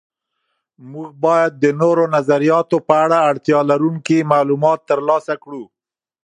موږ باید د نورو نظریاتو په اړه اړتیا لرونکي معلومات تر لاسه کړو.